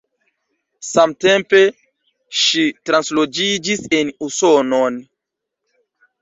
Samtempe ŝi transloĝiĝis en Usonon.